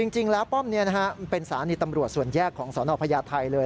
จริงแล้วป้อมนี้เป็นสถานีตำรวจส่วนแยกของสนพญาไทยเลย